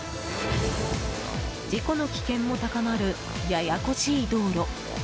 事故の危険も高まるややこしい道路。